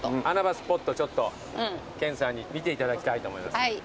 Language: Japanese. スポットちょっと研さんに見ていただきたいと思います。